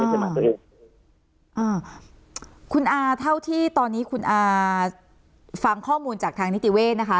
อ่าคุณอาเท่าที่ตอนนี้คุณอาฟังข้อมูลจากทางนิติเวศนะคะ